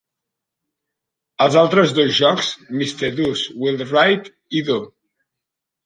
Els altres dos jocs, Mr. Do 's Wild Ride i Do!